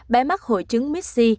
bé mắc hội chứng mis c